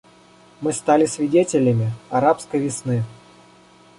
Мы стали свидетелями «арабской весны».